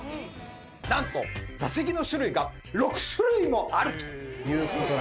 なんと座席の種類が６種類もあるという事なんですね。